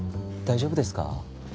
大丈夫ですか？